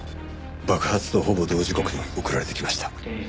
爆発とほぼ同時刻に送られてきました。